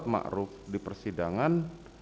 terdakwa kuat ma'ruf di persidangan